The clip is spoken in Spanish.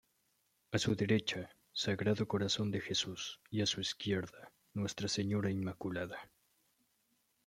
A su derecha, Sagrado Corazón de Jesús y a su izquierda, Nuestra Señora Inmaculada.